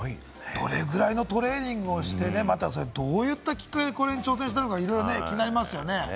どれぐらいのトレーニングをして、どういったきっかけで挑戦したのか気になりますよね。